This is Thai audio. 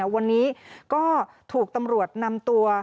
วันนี้ก็ถูกตำรวจนำตัว